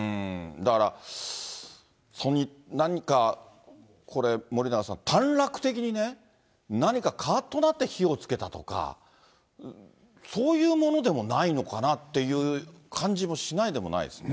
だから何か、これ、森永さん、短絡的にね、何かかーっとなって火をつけたとか、そういうものでもないのかなという感じもしないでもないですね。